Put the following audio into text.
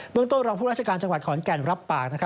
เมืองต้นรองผู้ราชการจังหวัดขอนแก่นรับปาก